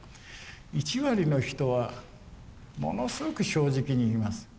１割の人はものすごく正直に言います。